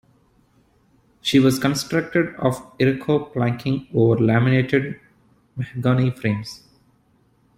She was constructed of iroko planking over laminated mahogany frames.